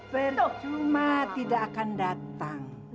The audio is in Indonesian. percuma tidak akan datang